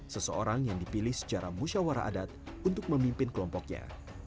seseorang yang dipilih secara musyawarah adat untuk memimpin kelompoknya